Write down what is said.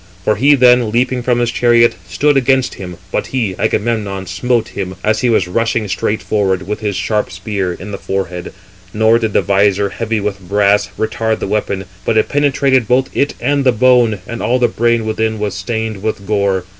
For he then, leaping from the chariot, stood against him; but he (Agamemnon) smote him, as he was rushing straight forward, with his sharp spear, in the forehead; nor did the visor, heavy with brass, retard the weapon, but it penetrated both it and the bone, and all the brain within was stained with gore.